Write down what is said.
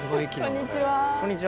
こんにちは。